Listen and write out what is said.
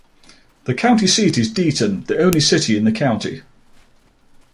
The county seat is Dighton, the only city in the county.